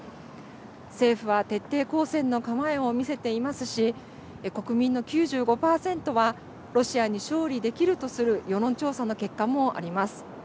政府は徹底抗戦の構えを見せていますし国民の９５％はロシアに勝利できるとする世論調査の結果もあります。